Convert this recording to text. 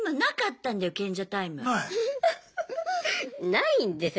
ないんですよ。